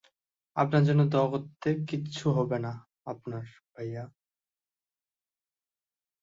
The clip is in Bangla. আপনার জন্য দোয়া করতে, কিছু হবে না আপনার, ভাইয়া।